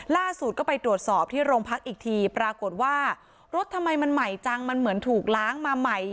ล่าสุดก็ไปตรวจสอบที่โรงพักอีกทีปรากฏว่ารถทำไมมันใหม่จังมันเหมือนถูกล้างมาใหม่